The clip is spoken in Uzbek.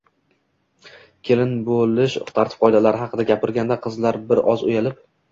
Kelin bo‘lish tartib-qoidalari haqida gapirganda, qizlar bir oz uyalib